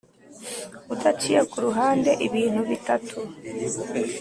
udaciye kuruhande ibintu bitatu.